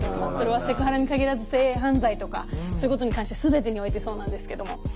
それはセクハラに限らず性犯罪とかそういうことに関してすべてにおいてそうなんですけども。